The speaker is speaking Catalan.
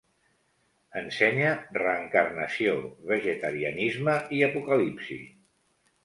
Ensenya reencarnació, vegetarianisme i apocalipsis.